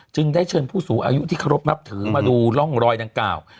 ได้เชิญผู้สูงอายุที่เคารพนับถือมาดูร่องรอยดังกล่าว